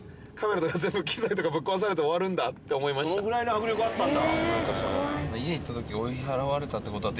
そのぐらいの迫力あったんだ。